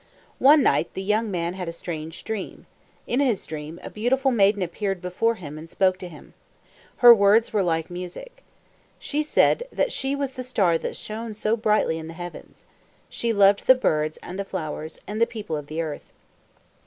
One night the young man had a strange dream. In his dream a beautiful maiden appeared before him and spoke to him. Her words were like music. She said that she was the star that shone so brightly in the heavens. She loved the birds and the flowers, and the people of the earth.